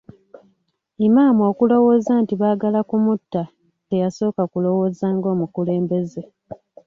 Imam okwogera nti baagala kumutta, teyasooka kulowooza ng'omukulembeze.